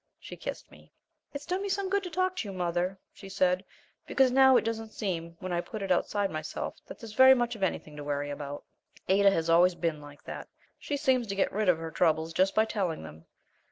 She kissed me. "It's done me good to talk to you, mother," she said, "because now it doesn't seem, when I put it outside myself, that there's very much of anything to worry about." Ada has always been like that she seems to get rid of her troubles just by telling them.